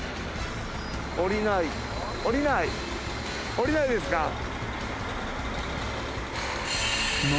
降りないですか？